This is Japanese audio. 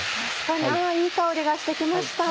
確かにいい香りがして来ました。